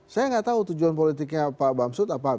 saya gak tahu tujuan politiknya pak bamsud itu apa gitu ya